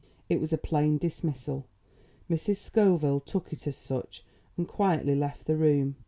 It was a plain dismissal. Mrs. Scoville took it as such, and quietly left the room.